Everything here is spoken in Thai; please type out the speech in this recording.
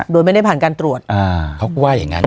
โดยไม่ได้ผ่านการตรวจเขาก็ว่าอย่างนั้น